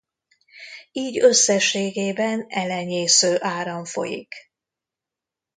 Így összességében elenyésző áram folyik.